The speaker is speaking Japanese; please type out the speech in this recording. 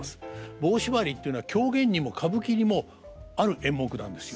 「棒しばり」っていうのは狂言にも歌舞伎にもある演目なんですよ。